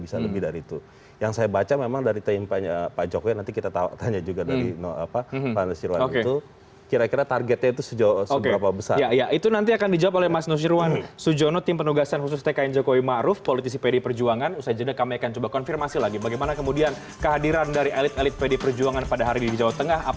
sebelumnya prabowo subianto